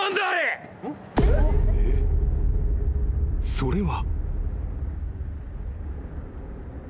［それは］